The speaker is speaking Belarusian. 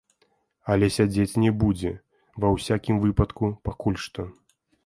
Але сядзець не будзе, ва ўсякім выпадку, пакуль што.